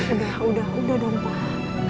udah udah dong pak